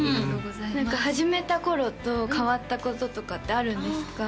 何か始めた頃と変わったこととかってあるんですか？